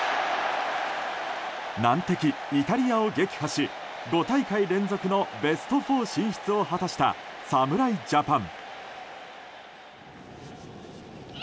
難敵イタリアを撃破し５大会連続のベスト４進出を果たした侍ジャパン。